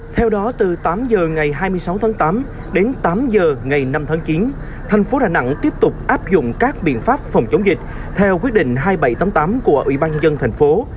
theo đó từ tám h ngày hai mươi sáu tháng tám đến tám h ngày năm tháng chín thành phố đà nẵng tiếp tục áp dụng các biện pháp phòng chống dịch theo quyết định hai nghìn bảy trăm tám mươi tám của ủy ban nhân dân thành phố